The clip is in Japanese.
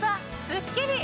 スッキリ！